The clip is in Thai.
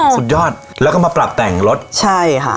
สุดยอดแล้วก็มาปรับแต่งรถใช่ค่ะ